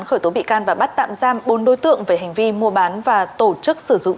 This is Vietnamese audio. khởi tố bị can và bắt tạm giam bốn đối tượng về hành vi mua bán và tổ chức sử dụng